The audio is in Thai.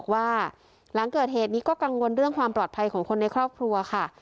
ว่าหลังเกิดเหตุนี้ก็กังวลเรื่องความปลอดภัยของคนในครอบครัวค่ะ